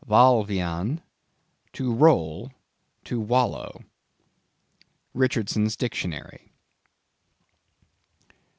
Walw ian, to roll, to wallow." —_Richardson's Dictionary.